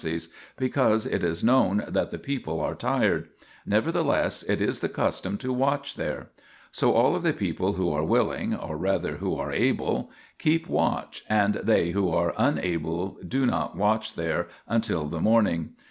78 THE PILGRIMAGE OF ETHERIA vigil at the Anastasis, because it is known that the people are tired; nevertheless, it is the custom to watch there. So all of the people who are willing, or rather, who are able, keep watch, and they who are unable do not watch there until the morning.